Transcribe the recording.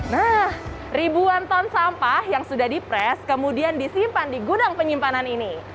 nah ribuan ton sampah yang sudah di pres kemudian disimpan di gudang penyimpanan ini